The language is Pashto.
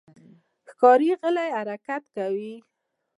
ښکاري غلی حرکت کوي.